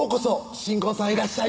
新婚さんいらっしゃい！